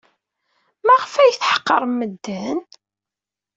Maɣef ay tḥeqrem medden?